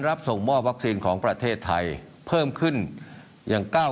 รับส่งมอบวัคซีนของประเทศไทยเพิ่มขึ้นอย่าง๙๐